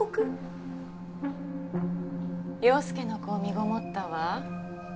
陽佑の子を身ごもったわ。